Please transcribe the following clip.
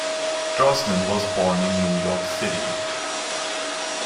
Drosnin was born in New York City.